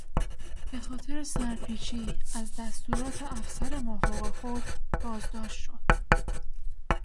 به خاطر سرپیچی از دستورات افسر مافوق خود بازداشت شد.